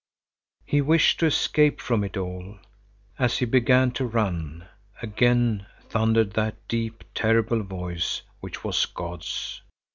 He wished to escape from it all. As he began to run, again thundered that deep, terrible voice, which was God's.